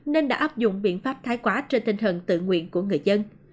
nên đã áp dụng biện pháp thái quá trên tinh thần tự nguyện của người dân